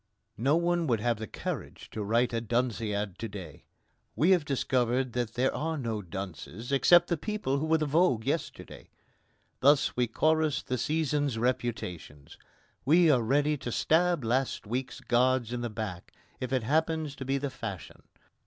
No one would have the courage to write a Dunciad to day. We have discovered that there are no dunces except the people who were the vogue yesterday. Thus we chorus the season's reputations. We are ready to stab last week's gods in the back if it happens to be the fashion.